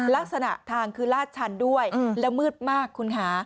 ลักษณะทางคือลาดชันด้วยแล้วมืดมากคุณค่ะ